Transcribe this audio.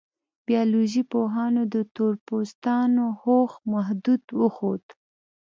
بیولوژي پوهانو د تور پوستانو هوښ محدود وښود.